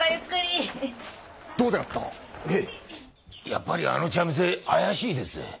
やっぱりあの茶店怪しいですぜ。